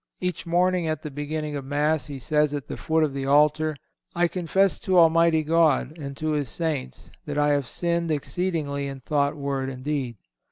Each morning, at the beginning of Mass, he says at the foot of the altar, "I confess to Almighty God, and to His Saints, that I have sinned exceedingly in thought, word and deed."